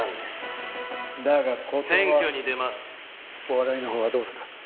お笑いのほうはどうする？